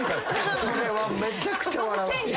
それはめちゃくちゃ笑う。